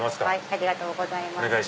ありがとうございます。